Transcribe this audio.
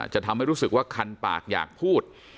จะทำให้รู้สึกว่าคันปากอยากพูด